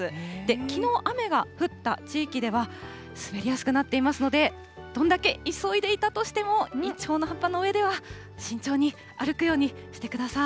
きのう雨が降った地域では、滑りやすくなっていますので、どんだけ急いでいたとしても、イチョウの葉っぱの上では慎重に歩くようにしてください。